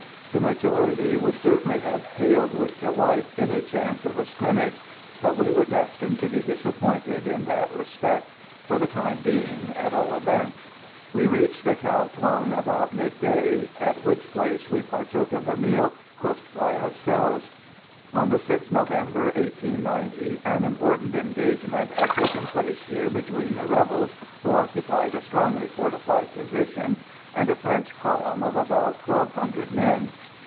The majority would certainly have hailed with delight any chance of a scrimmage, but we were destined to be disappointed in that respect for the time being, at all events. We reached Cao Thuong about midday, at which place we partook of a meal cooked by ourselves. On the 6th November, 1890, an important engagement had taken place here between the rebels who occupied a strongly fortified position and a French column of about twelve hundred men.